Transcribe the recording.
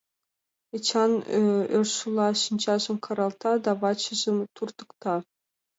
Эчан ӧршыла шинчажым каралта да вачыжым туртыкта.